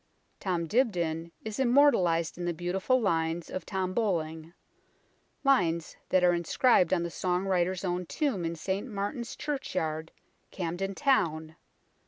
Tom Dibdin is immortalized in the beautiful lines of " Tom Bowling " lines that are inscribed on the song writer's own tomb in St Martin's Churchyard, Camden Town.